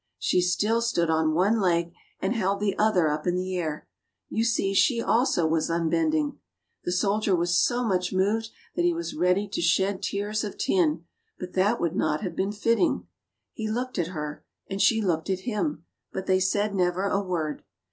She still stood on one leg, and held the other up in the air. You see she also was unbending. The soldier was so much moved that he was ready to shed tears of tin, but that would not have been fitting. He looked at her, and she looked at him, but they said never a word.